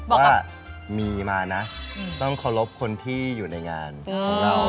ว่ามีมานะต้องเคารพคนที่อยู่ในงานของเรา